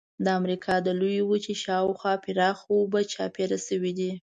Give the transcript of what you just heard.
د امریکا د لویې وچې شاو خوا پراخه اوبه چاپېره شوې دي.